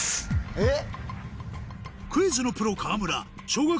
えっ。